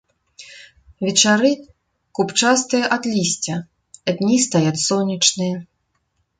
Вечары купчастыя ад лісця, а дні стаяць сонечныя.